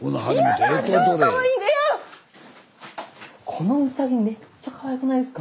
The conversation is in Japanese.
このうさぎめっちゃかわいくないですか？